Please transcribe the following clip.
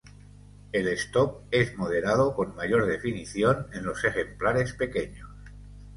El "stop" es moderado, con mayor definición en los ejemplares pequeños.